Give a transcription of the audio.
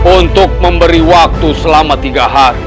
untuk memberi waktu selama tiga hari